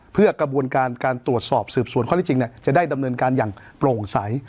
เพื่อกระบวนการการตรวจสอบสืบสวนข้อที่จริงจะได้ดำเนินการอย่างโปร่งใส